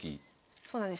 そうなんです。